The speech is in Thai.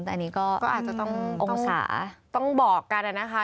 แต่อันนี้ก็องศาก็อาจจะต้องบอกกันนะครับ